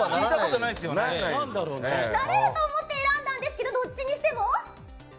なれると思って選んだんですけどどっちにしても。